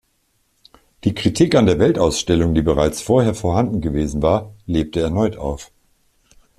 Die Kritik an der Weltausstellung, die bereits vorher vorhanden gewesen war, lebte erneut auf.